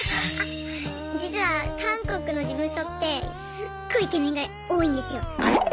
実は韓国の事務所ってすっごいイケメンが多いんですよ。